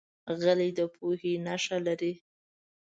غلی، د پوهې نښه لري.